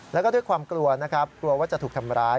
แล้วก็ด้วยความกลัวนะครับกลัวว่าจะถูกทำร้าย